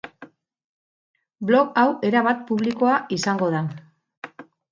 Blog hau erabat publikoa izango da.